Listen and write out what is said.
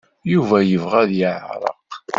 Yuba yebɣa ad yeɛreq.